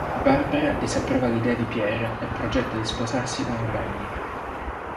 Barbara disapprova l'idea di Pierre e progetta di sposarsi con Ronnie.